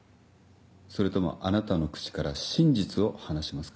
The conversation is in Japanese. それともあなたの口から真実を話しますか。